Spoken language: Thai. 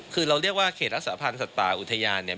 คือเราเรียกว่าเขตรักษาพันธ์สัตว์ป่าอุทยานเนี่ย